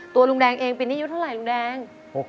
ลุงแดงเองปีนี้อายุเท่าไหร่ลุงแดง